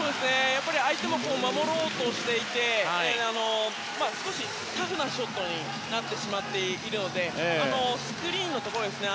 相手も守ろうとしていて少しタフなショットになってしまっているのでスクリーンのところですよね。